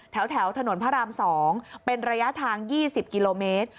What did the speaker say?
แถวถนนพระราม๒เป็นระยะทาง๒๐กิโลเมตร